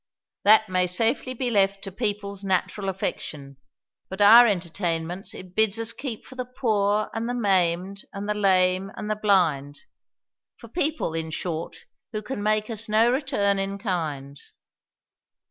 "That may safely be left to people's natural affection. But our entertainments it bids us keep for the poor and the maimed and the lame and the blind; for people, in short, who can make us no return in kind."